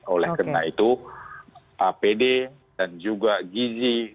oleh karena itu apd dan juga gizi